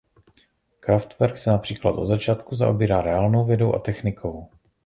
Kraftwerk se například od začátku zaobírá reálnou vědou a technikou.